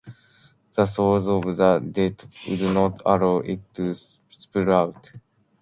The souls of the dead would not allow it to sprout.